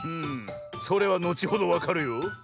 それはのちほどわかるよ。